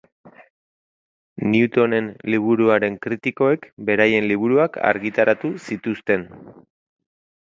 Newtonen liburuaren kritikoek beraien liburuak argitaratu zituzten.